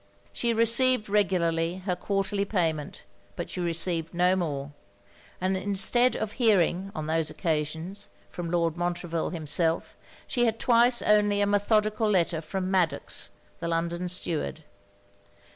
She received regularly her quarterly payment, but she received no more; and instead of hearing, on those occasions, from Lord Montreville himself, she had twice only a methodical letter from Maddox, the London steward.